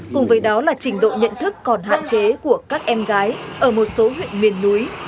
cùng với đó là trình độ nhận thức còn hạn chế của các em gái ở một số huyện miền núi